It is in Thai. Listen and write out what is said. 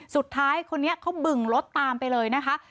สุดท้ายคนนี้เขาบึงรถตามไปเลยนะคะ